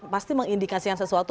pasti mengindikasikan sesuatu